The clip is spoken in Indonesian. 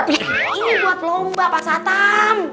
ini buat lomba pak satam